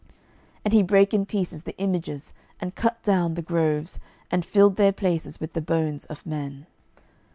12:023:014 And he brake in pieces the images, and cut down the groves, and filled their places with the bones of men.